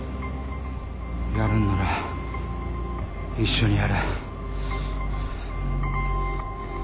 やるんなら一緒にやる。